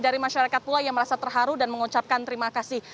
dari masyarakat pula yang merasa terharu dan mengucapkan terima kasih